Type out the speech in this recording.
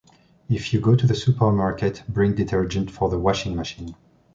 If you go to the supermarket, bring detergent for the washing machine.